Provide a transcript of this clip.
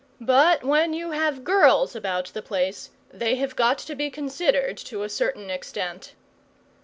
But when you have girls about the place, they have got to be considered to a certain extent.